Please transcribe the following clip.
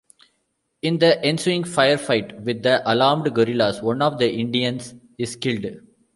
In the ensuing firefight with the alarmed guerrillas, one of the Indians is killed.